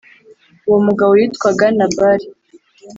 Uwo mugabo yitwaga Nabali